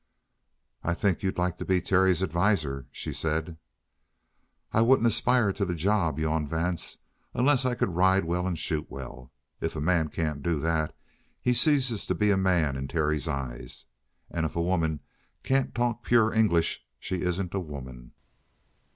"I think you'd like to be Terry's adviser," she said. "I wouldn't aspire to the job," yawned Vance, "unless I could ride well and shoot well. If a man can't do that, he ceases to be a man in Terry's eyes. And if a woman can't talk pure English, she isn't a woman."